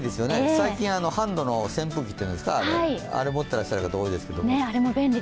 最近、ハンドの扇風機っていうんですかあれを持っていらっしゃる方多いですけども。